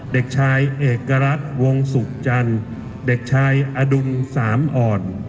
เด็กชายเอกรัฐวงศุกร์จันทร์เด็กชายอดุลสามอ่อน